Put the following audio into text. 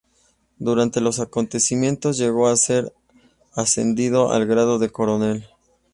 Durante los acontecimientos llegó a ser ascendido al grado de coronel.